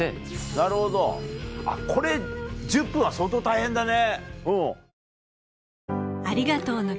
なるほどこれ１０分は相当大変だね。